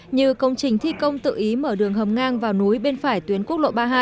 như công trình thi công tự ý mở đường hầm ngang vào núi bên phải tuyến quốc lộ ba mươi hai